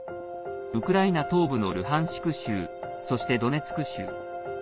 ウクライナ東部のルハンシク州そして、ドネツク州。